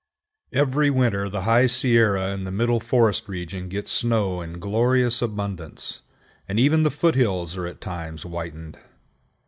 Every winter the High Sierra and the middle forest region get snow in glorious abundance, and even the foot hills are at times whitened.